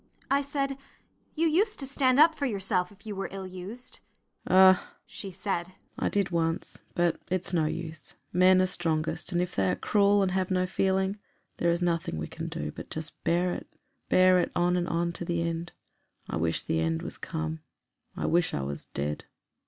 I said, "You used to stand up for yourself if you were ill used." "Ah!" she said, "I did once, but it's no use; men are strongest, and if they are cruel and have no feeling, there is nothing that we can do, but just bear it bear it on and on to the end. I wish the end was come, I wish I was dead.